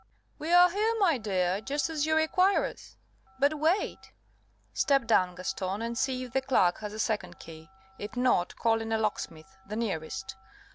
"We are here, my dear, just as you require us. But wait; step down, Gaston, and see if the clerk has a second key. If not, call in a locksmith the nearest.